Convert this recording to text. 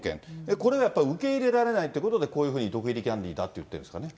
これがやっぱり受け入れられないってことで、こういうふうに毒入りキャンディーだって言ってるんですかね。